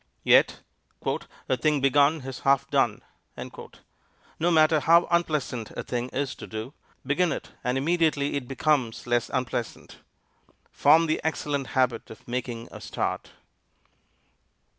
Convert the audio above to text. Yet "a thing begun is half done." No matter how unpleasant a thing is to do, begin it and immediately it becomes less unpleasant. Form the excellent habit of making a start.